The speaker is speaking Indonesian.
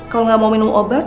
kalau nggak mau minum obat